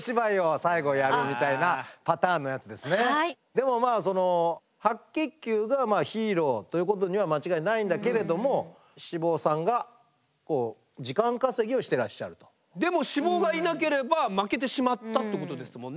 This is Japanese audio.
でも白血球がヒーローということには間違いないんだけれどもでも脂肪がいなければ負けてしまったってことですもんね？